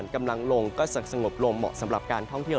กำลังลงก็จะสงบลงเหมาะสำหรับการท่องเที่ยว